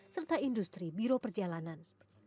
serta industri biro perjalanan